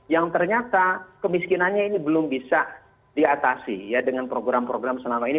yang ternyata kemiskinannya ini belum bisa diatasi ya dengan program program selama ini